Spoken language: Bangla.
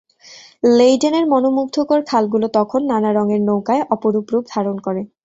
লেইডেনের মনোমুগ্ধকর খালগুলো তখন নানা রঙের নৌকায় অপরূপ রূপ ধারণ করে।